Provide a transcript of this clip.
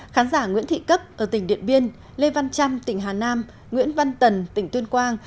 khán giả nguyễn thị cấp ở tỉnh điện biên lê văn trăm tỉnh hà nam nguyễn văn tần tỉnh tuyên quang